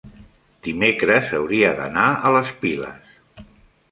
dimecres hauria d'anar a les Piles.